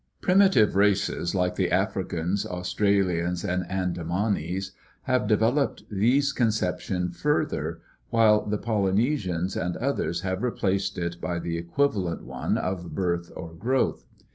Primitive races like the Africans, Australians, and Andamanese have developed this con ception farther, while the Polynesians and others have replaced it by the equivalent one of birth or growth.